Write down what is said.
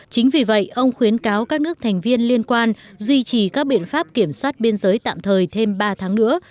chính vì vậy ông khuyến cáo các nước thành viên liên quan duy trì các biện pháp kiểm soát biên giới tạm thời thêm ba tháng nữa